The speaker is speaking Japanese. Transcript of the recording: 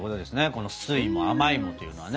この「酸いも甘いも」っていうのはね。